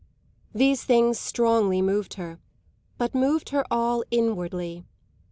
These things strongly moved her, but moved her all inwardly.